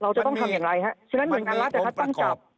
เราจะต้องทำอย่างไรฮะ